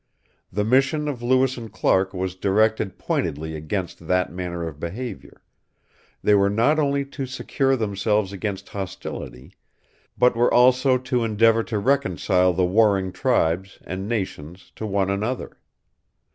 The mission of Lewis and Clark was directed pointedly against that manner of behavior; they were not only to secure themselves against hostility, but were also to endeavor to reconcile the warring tribes and nations to one another.